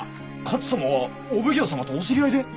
勝様はお奉行様とお知り合いで？